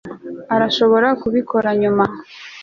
urashobora kubikora nyuma